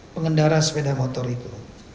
pengendara sepeda motor itu